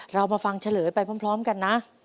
เรามาฟังเฉลยไปพร้อมกันนะ